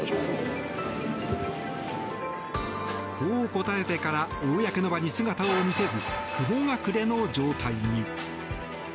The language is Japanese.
そう答えてから公の場に姿を見せず雲隠れの状態に。